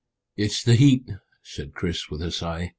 "It's the heat," said Chris with a sigh.